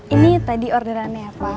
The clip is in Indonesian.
ini tadi orderannya pak